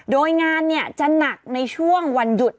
โดยงานจะหนักในช่วงวันหยุด